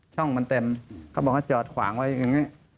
ช่องมันเต็มเขาบอกว่าจอดขวางไว้อย่างนี้